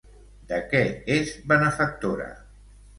De què és benefactora?